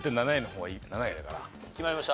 決まりました？